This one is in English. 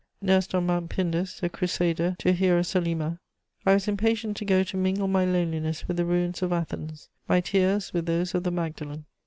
Nursed on Mount Pindus, a crusader to Hierosolyma, I was impatient to go to mingle my loneliness with the ruins of Athens, my tears with those of the Magdalen.